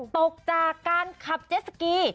ตกจากการขับเจสสกี